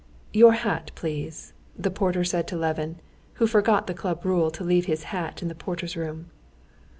"Your hat, please," the porter said to Levin, who forgot the club rule to leave his hat in the porter's room.